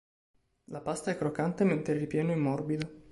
La pasta è croccante mentre il ripieno è morbido.